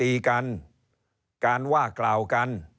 เริ่มตั้งแต่หาเสียงสมัครลง